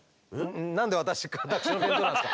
何で私私の弁当なんですか。